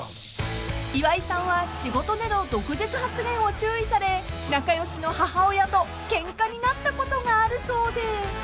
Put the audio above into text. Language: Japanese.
［岩井さんは仕事での毒舌発言を注意され仲良しの母親とケンカになったことがあるそうで］